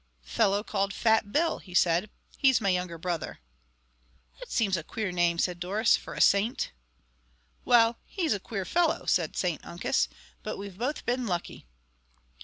"Fellow called Fat Bill," he said. "He's my younger brother." "That seems a queer name," said Doris, "for a saint." "Well, he's a queer fellow," said St Uncus, "but we've both been lucky."